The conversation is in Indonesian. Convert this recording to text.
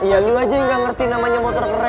ya lo aja yang gak ngerti namanya motor keren